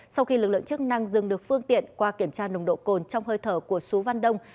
sau khi lực lượng chức năng dừng được phương tiện qua kiểm tra nồng độ cồn trong hơi thở của sú văn đông